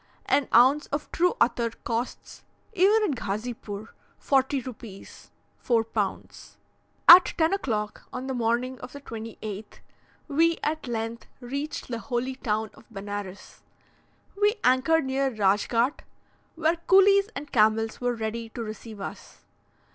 An ounce of true attar costs, even at Ghazipoor, 40 rupees (4 pounds). At 10 o'clock on the morning of the 28th, we at length reached the holy town of Benares. We anchored near Radschgaht, where coolies and camels were ready to receive us.